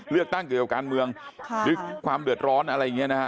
เลือกตั้งเกี่ยวกับการเมืองหรือความเดือดร้อนอะไรอย่างนี้นะฮะ